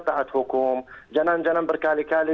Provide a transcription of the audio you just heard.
taat hukum jangan jangan berkali kali